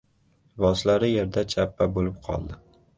Liboslari yerda chappa bo‘lib qoldi.